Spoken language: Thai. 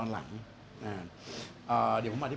นั่นคนเดียวครับ